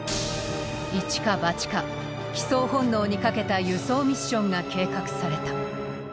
イチかバチか帰巣本能に賭けた輸送ミッションが計画された。